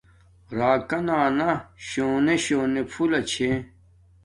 راکانا نا شونے شونے پھولہ چھے